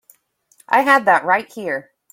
I had that right here.